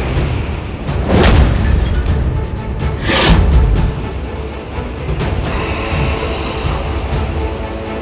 mohon ampun nyai ratu hamba hendak melapor